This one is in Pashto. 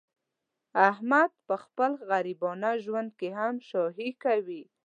احمد په خپل غریبانه ژوند کې هم شاهي کوي.